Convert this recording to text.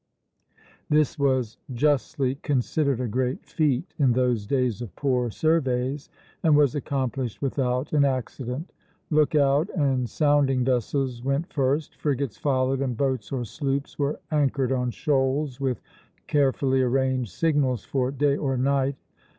This was justly considered a great feat in those days of poor surveys, and was accomplished without an accident. Lookout and sounding vessels went first, frigates followed, and boats or sloops were anchored on shoals with carefully arranged signals for day or night.